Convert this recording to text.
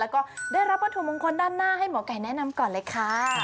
แล้วก็ได้รับวัตถุมงคลด้านหน้าให้หมอไก่แนะนำก่อนเลยค่ะ